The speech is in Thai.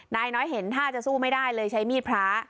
นายน้อยเห็นท่าจะสู้ไม่ได้เลยใช้มีดพระ